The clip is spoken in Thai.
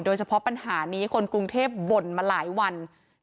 โดยเฉพาะปัญหานี้คนกรุงเทพฯบ่นมาหลายวัน